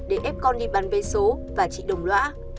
để ép con đi bán vé số và chị đồng lõa